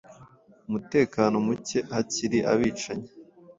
umutekano mucye hakiri abicanyi